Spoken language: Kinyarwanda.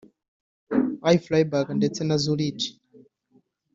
i Fribourg ndetse na Zurich